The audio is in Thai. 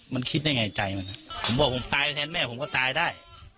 มันคิดได้ไงใจมันผมบอกผมตายแทนแม่ผมก็ตายได้